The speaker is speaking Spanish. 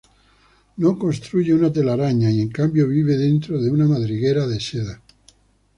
No construye una telaraña y, en cambio, vive dentro de una madriguera de seda.